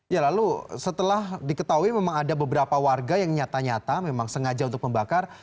ya lalu setelah diketahui memang ada beberapa warga yang nyata nyata memang sengaja untuk membakar